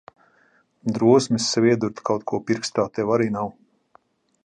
Drosmes sev iedurt kaut ko pirkstā tev arī nav.